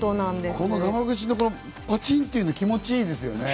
このがま口のパチンっていうの、気持ち良いですよね。